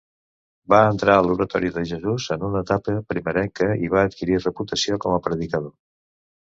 Va entrar a l'Oratori de Jesús en una etapa primerenca i va adquirir reputació com a predicador.